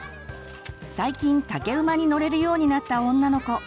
最近竹馬に乗れるようになった女の子。